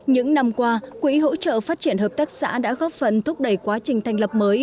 những năm qua quỹ hỗ trợ phát triển hợp tác xã đã góp phần thúc đẩy quá trình thành lập mới